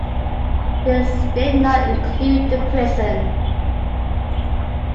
This did not include the prison.